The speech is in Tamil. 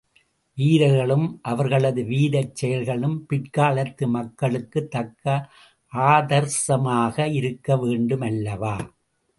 வீரர்களும் அவர்களது வீரச் செயல்களும் பிற்காலத்து மக்களுக்குத் தக்க ஆதர்சமாக இருக்கவேண்டுமல்லவா?